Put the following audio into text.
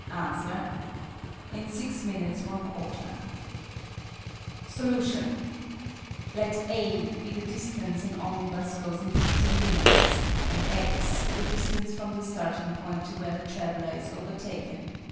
Answer. In 6 1/4 minutes. Solution. Let "a" be the distance an omnibus goes in 15 minutes, and "x" the distance from the starting point to where the traveller is overtaken.